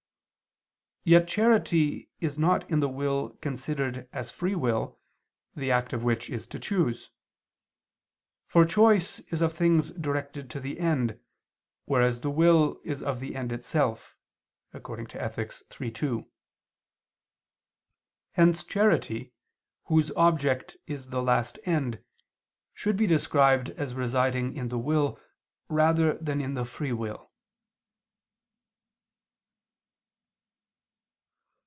Yet charity is not in the will considered as free will, the act of which is to choose. For choice is of things directed to the end, whereas the will is of the end itself (Ethic. iii, 2). Hence charity, whose object is the last end, should be described as residing in the will rather than in the free will.